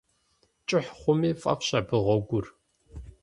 КӀыхь хъуми фӀэфӀщ абы гъуэгур.